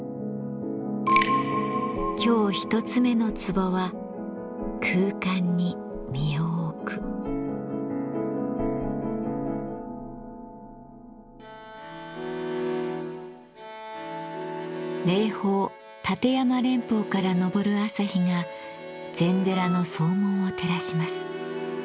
今日１つ目の壺は霊峰立山連峰から昇る朝日が禅寺の総門を照らします。